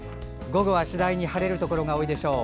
午後は次第に晴れるところが多いでしょう。